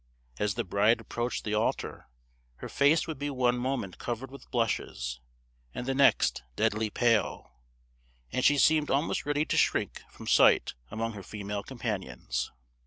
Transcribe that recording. As the bride approached the altar, her face would be one moment covered with blushes, and the next deadly pale; and she seemed almost ready to shrink from sight among her female companions.